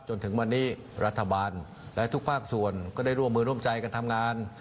จนถึงวันนี้รัฐบาลและทุกภาคส่วนก็ได้ร่วมมือร่วมใจกันทำงาน